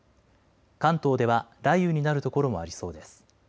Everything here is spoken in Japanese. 関東では雷雨になる所もありそうです。